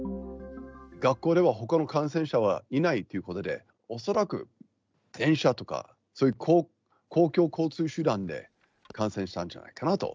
学校ではほかの感染者はいないっていうことで、恐らく電車とか、そういう公共交通手段で感染したんじゃないかなと。